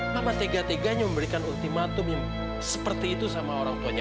sampai jumpa di video selanjutnya